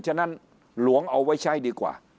ฉะนั้นหลวงเอาไว้ใช้ดีกว่า